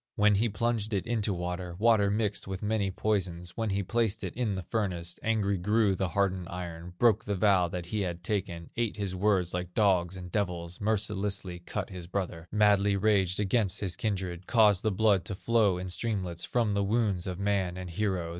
When he plunged it into water, Water mixed with many poisons, When he placed it in the furnace, Angry grew the hardened iron, Broke the vow that he had taken, Ate his words like dogs and devils, Mercilessly cut his brother, Madly raged against his kindred, Caused the blood to flow in streamlets From the wounds of man and hero.